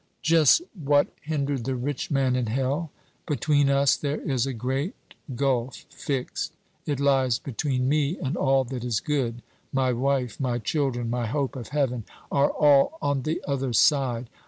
"Just what hindered the rich man in hell 'between us there is a great gulf fixed;' it lies between me and all that is good; my wife, my children, my hope of heaven, are all on the other side."